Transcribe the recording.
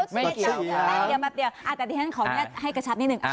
เดี๋ยวแบบเดี๋ยวแต่ที่นั้นขอให้กระชับนิดนึง